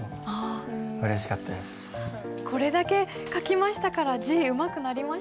これだけ書きましたから字うまくなりましたよね。